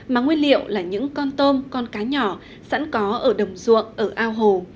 mà nguyên liệu là những con tôm con cá nhỏ sẵn có ở đồng ruộng ở ao hồ